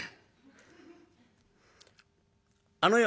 「あのよ」。